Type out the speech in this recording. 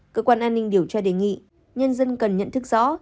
cơ quan an ninh điều tra đề nghị nhân dân cần nhận thức rõ